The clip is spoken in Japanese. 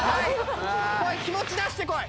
気持ち出してこい！